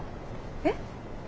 えっ？